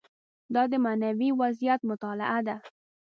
دا د معنوي وضعیت مطالعه ده.